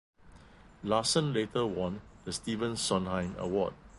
Larson later won the Stephen Sondheim Award.